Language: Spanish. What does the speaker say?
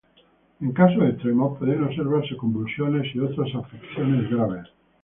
En casos extremos pueden observarse convulsiones y otras afecciones graves.